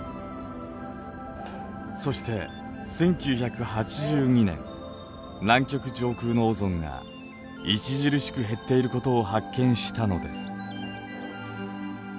そして１９８２年南極上空のオゾンが著しく減っていることを発見したのです。